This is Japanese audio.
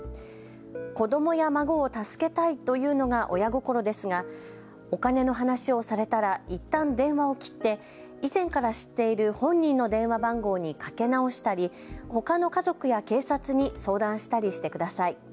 子どもや孫を助けたいというのが親心ですがお金の話をされたらいったん電話を切って、以前から知っている本人の電話番号にかけ直したり、ほかの家族や警察に相談したりしてください。